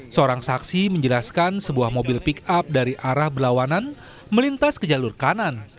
seorang saksi menjelaskan sebuah mobil pick up dari arah berlawanan melintas ke jalur kanan